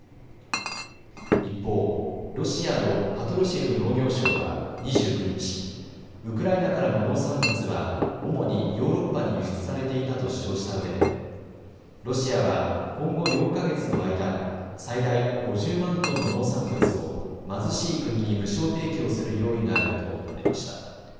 一方、ロシアのパトルシェフ農業相は２９日、ウクライナからの農産物は主にヨーロッパに輸出されていたと主張したうえでロシアは今後４か月の間、最大５０万トンの農産物を貧しい国に無償提供する用意があると述べました。